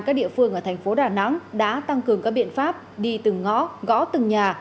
các địa phương ở thành phố đà nẵng đã tăng cường các biện pháp đi từng ngõ gõ từng nhà